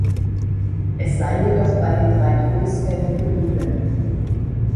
Es sei jedoch bei den drei Todesfällen geblieben.